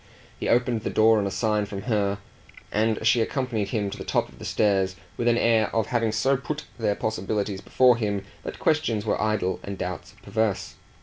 He opened the door on a sign from her, and she accompanied him to the top of the stairs with an air of having so put their possibilities before him that questions were idle and doubts perverse.